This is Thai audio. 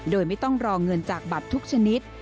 โดยไม่ต้องรอเงินจากบัตรทุกชนิด